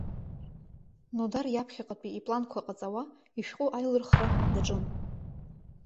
Нодар иаԥхьаҟатәи ипланқәа ҟаҵауа, ишәҟәы аилырхра даҿын.